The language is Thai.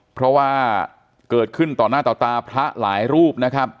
เพราะว่าเกิดขึ้นต่อหน้าต่อตาพระหลายรูปนะครับ